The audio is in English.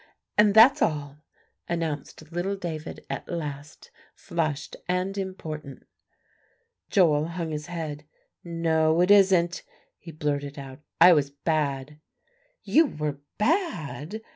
"And that's all," announced little David at last, flushed and important. Joel hung his head, "No, it isn't," he blurted out; "I was bad." "You were bad?"